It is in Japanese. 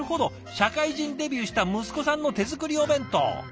社会人デビューした息子さんの手作りお弁当。